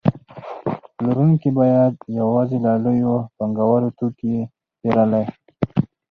پلورونکي باید یوازې له لویو پانګوالو توکي پېرلی